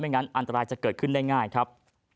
งั้นอันตรายจะเกิดขึ้นได้ง่ายครับ